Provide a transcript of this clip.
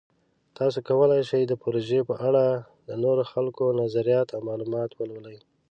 تاسو کولی شئ د پروژې په اړه د نورو خلکو نظریات او معلومات ولولئ.